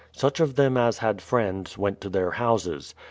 Such of them as had friends went to their houses.